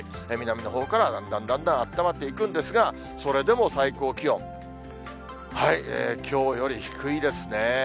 南のほうからだんだんだんだんあったまっていくんですが、それでも最高気温、きょうより低いですね。